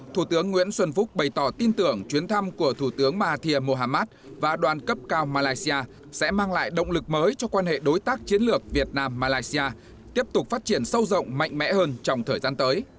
thủ tướng nguyễn xuân phúc bày tỏ tin tưởng chuyến thăm của thủ tướng mahathir mohamad và đoàn cấp cao malaysia sẽ mang lại động lực mới cho quan hệ đối tác chiến lược việt nam malaysia tiếp tục phát triển sâu rộng mạnh mẽ hơn trong thời gian tới